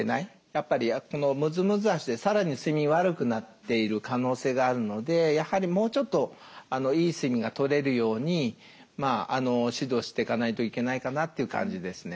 やっぱりこの「むずむず脚」でさらに睡眠悪くなっている可能性があるのでやはりもうちょっといい睡眠がとれるように指導していかないといけないかなという感じですね。